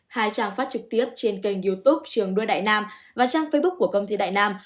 hai trang phát trực tiếp trên kênh youtube trường đua đại nam và trang facebook của công ty đại nam